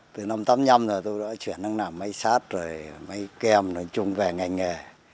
từ năm tám mươi năm rồi tôi đã chuyển sang làm máy sát rồi máy kem nói chung về ngành nghề